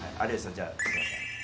じゃあすいません